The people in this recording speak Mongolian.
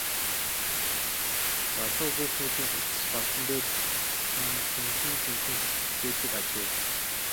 Залуу хүүхнүүдийн харц ч Балдан дээр л тусан сэмхэн сэмхэн ширтэцгээдэг ажээ.